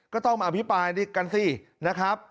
ก็ต้องมาอภิปรายกันสินะครับ